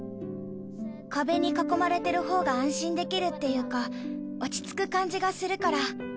壁に囲まれてるほうが安心できるっていうか、落ち着く感じがするから。